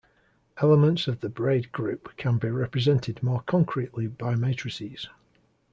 Elements of the braid group can be represented more concretely by matrices.